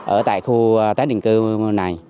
ở tại khu tái định cư này